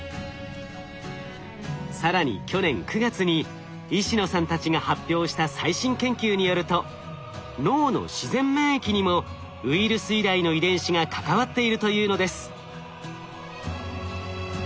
更に去年９月に石野さんたちが発表した最新研究によると脳の自然免疫にもウイルス由来の遺伝子が関わっているというのです。